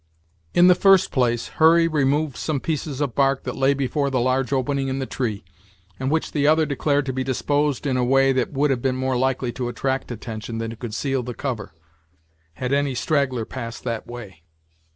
In the first place, Hurry removed some pieces of bark that lay before the large opening in the tree, and which the other declared to be disposed in a way that would have been more likely to attract attention than to conceal the cover, had any straggler passed that way.